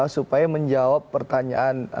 supaya menjawab pertanyaan